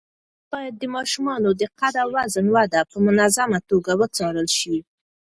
باید د ماشومانو د قد او وزن وده په منظمه توګه وڅارل شي.